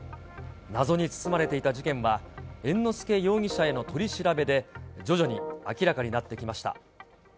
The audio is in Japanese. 謎に包まれていた事件は、猿之助容疑者への取り調べで、徐々に明らかになってきました。